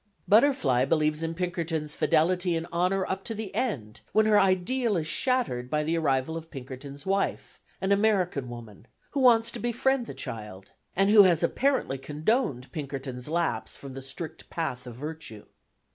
Butterfly believes in Pinkerton's fidelity and honour up to the end, when her ideal is shattered by the arrival of Pinkerton's wife, an American woman, who wants to befriend the child, and who has apparently condoned Pinkerton's lapse from the strict path of virtue.